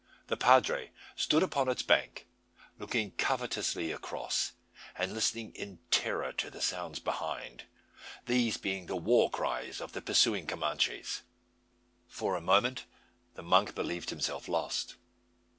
The padre stood upon its bank, looking covetously across, and listening in terror to the sounds behind; these being the war cries of the pursuing Comanches. For a moment the monk believed himself lost.